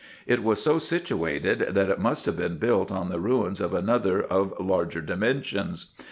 It is so situated, that it must have been built on the ruins of another of larger dimensions.